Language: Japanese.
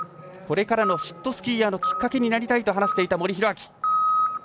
これからのシットスキーヤーのきっかけになりたいと話していた森宏明。